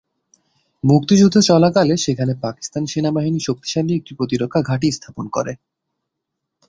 মুক্তিযুদ্ধ চলাকালে সেখানে পাকিস্তান সেনাবাহিনী শক্তিশালী একটি প্রতিরক্ষা ঘাঁটি স্থাপন করে।